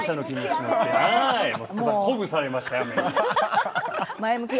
鼓舞されましたよ、雨に。